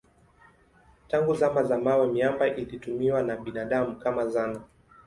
Tangu zama za mawe miamba ilitumiwa na binadamu kama zana.